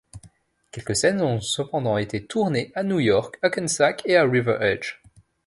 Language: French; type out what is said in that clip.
Quelques scènes ont cependant été tournées à New York, Hackensack et à River Edge.